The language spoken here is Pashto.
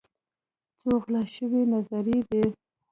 څو غلا شوي نظريې دي